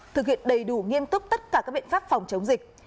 thực hiện đầy đủ nghiêm túc tất cả các biện pháp phòng chống dịch